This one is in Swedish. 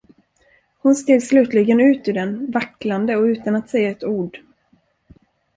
Hon steg slutligen ut ur den, vacklande och utan att säga ett ord.